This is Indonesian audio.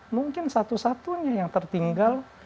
mungkin satu satunya yang tertinggal